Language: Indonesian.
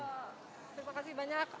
terima kasih banyak